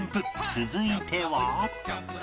続いては